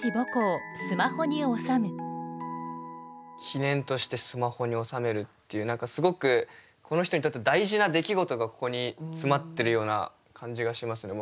記念としてスマホに収めるっていう何かすごくこの人にとって大事な出来事がここに詰まってるような感じがしますね